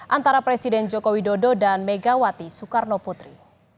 antara presiden joko widodo dan megawati soekarno putri